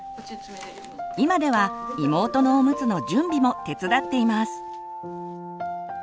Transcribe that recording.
今では妹のおむつの準備も手伝っています。